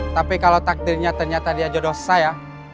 tapi kalau takdirnya ternyata dia jodoh saya